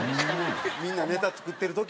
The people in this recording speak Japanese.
みんなネタ作ってる時に。